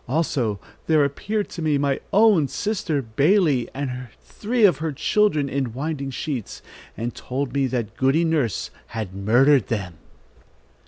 Also there appeared to me my own sister Bayley and three of her children in winding sheets, and told me that Goody Nurse had murdered them."